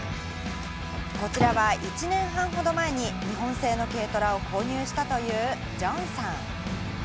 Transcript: こちらは１年半ほど前に日本製の軽トラを購入したというジョンさん。